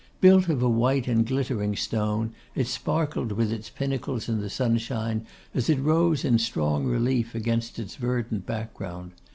Built of a white and glittering stone, it sparkled with its pinnacles in the sunshine as it rose in strong relief against its verdant background.